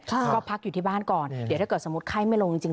ก็พักอยู่ที่บ้านก่อนเดี๋ยวถ้าเกิดสมมุติไข้ไม่ลงจริง